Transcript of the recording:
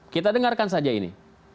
kita dengarkan saja ini